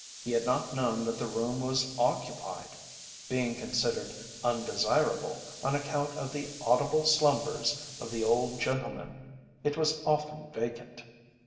He had not known that the room was occupied; being considered undesirable on account of the audible slumbers of the old gentleman it was often vacant.